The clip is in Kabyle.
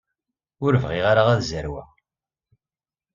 Ur bɣiɣ ara ad zerweɣ.